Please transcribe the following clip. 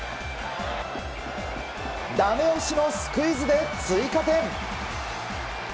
だめ押しのスクイズで追加点。